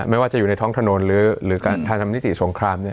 ไม่ว่าจะอยู่ในท้องถนนหรือการทำนิติสงครามเนี่ย